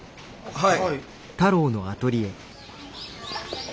はい。